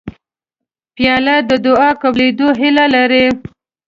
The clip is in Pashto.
پیاله د دعا قبولېدو هیله لري